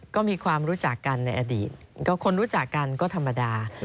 ก็มีความรู้จักกันในอดีตก็คนรู้จักกันก็ธรรมดา